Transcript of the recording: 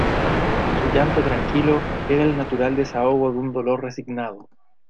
Su llanto tranquilo era el natural desahogo de un dolor resignado.